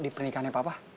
di pernikahannya papa